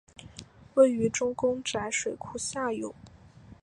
位于周公宅水库下游。